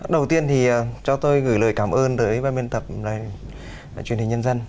đầu tiên thì cho tôi gửi lời cảm ơn tới ban biên tập truyền hình nhân dân